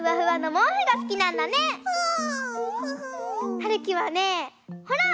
はるきはねほら！